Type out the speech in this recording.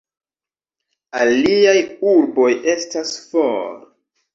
Aliaj urboj estas for.